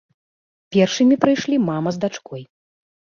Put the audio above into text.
Першымі прыйшлі мама з дачкой.